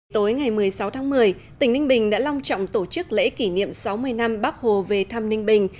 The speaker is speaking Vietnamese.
tối ngày một mươi sáu tháng một mươi tỉnh ninh bình đã long trọng tổ chức lễ kỷ niệm sáu mươi năm bắc hồ về thăm ninh bình